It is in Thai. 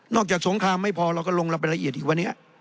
จากสงครามไม่พอเราก็ลงเราไปละเอียดอีกวันนี้